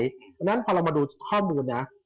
เพราะฉะนั้นพอเรามาดูข้อมูลนะ